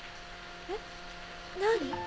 えっ何？